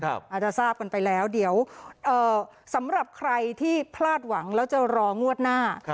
อาจจะทราบกันไปแล้วเดี๋ยวสำหรับใครที่พลาดหวังแล้วจะรองวดหน้า